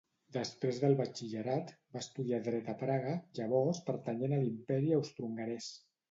Després del batxillerat, va estudiar dret a Praga, llavors pertanyent a l'Imperi austrohongarès.